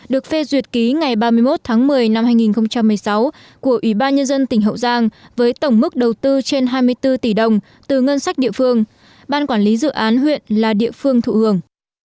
được phê duyệt ký ngày ba mươi một tháng một mươi năm hai nghìn một mươi sáu của ủy ban nhân dân tỉnh hậu giang với tổng mức đầu tư trên hai mươi bốn tỷ đồng từ ngân sách địa phương ban quản lý dự án huyện là địa phương thụ hưởng